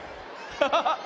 ハハハ！